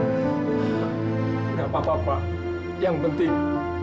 gak apa apa pak yang penting